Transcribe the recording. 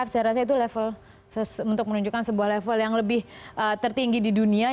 saya rasa itu level untuk menunjukkan sebuah level yang lebih tertinggi di dunia